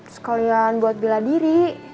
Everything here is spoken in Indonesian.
sekalian buat bela diri